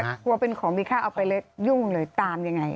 เพราะว่าเป็นของมีค่าออกไปหยุ่งเลยตามอย่างไร